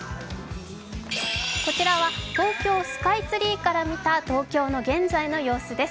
こちらは東京スカイツリーから見た東京の現在の様子です。